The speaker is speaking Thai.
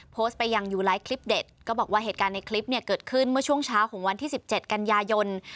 โพสต์ไปยังยูไลท์คลิปเด็ดก็บอกว่าเหตุการณ์ในคลิปเนี่ยเกิดขึ้นเมื่อช่วงเช้าของวันที่๑๗กันยายน